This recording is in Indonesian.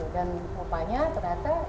dan rupanya ternyata